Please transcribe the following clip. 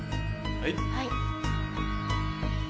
はい。